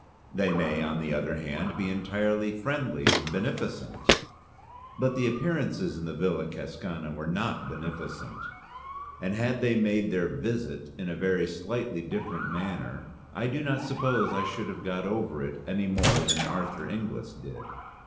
They may on the other hand be entirely friendly and beneficent. But the appearances in the Villa Cascana were not beneficent, and had they made their "visit" in a very slightly different manner, I do not suppose I should have got over it any more than Arthur Inglis did.